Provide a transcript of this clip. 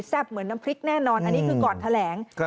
เหมือนน้ำพริกแน่นอนอันนี้คือก่อนแถลง